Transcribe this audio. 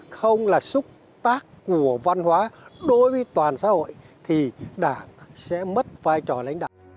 không là xúc tác của văn hóa đối với toàn xã hội thì đảng sẽ mất vai trò lãnh đạo